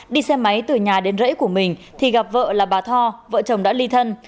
đi xe máy từ nhà đến rễ của mình thì gặp vợ là bà tho vợ chồng đã ly thân